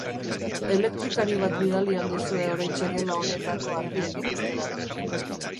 Elektrikari bat bidali al duzue oraintxe gela honetako argiak ikustera?